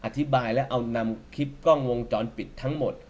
อธิบายแล้วเอานำคลิปกล้องวงจรปิดทั้งหมด